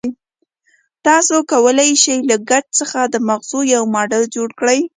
تاسې کولای شئ له ګچ څخه د مغزو یو ماډل جوړ کړئ.